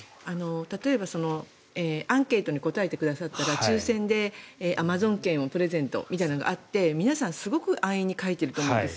例えば、アンケートに答えてくださったら抽選でアマゾン券をプレゼントみたいなのがあって皆さん、すごく安易に書いていると思うんです。